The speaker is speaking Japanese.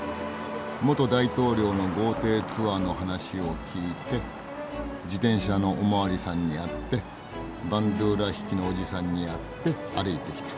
元大統領の豪邸ツアーの話を聞いて自転車のお巡りさんに会ってバンドゥーラ弾きのおじさんに会って歩いてきた。